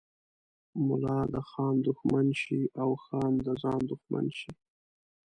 ملا د خان دښمن شي او خان د ځان دښمن شي.